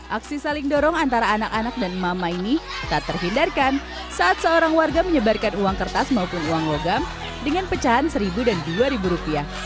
aksi saling dorong antara anak anak dan mama ini tak terhindarkan saat seorang warga menyebarkan uang kertas maupun uang logam dengan pecahan seribu dan rp dua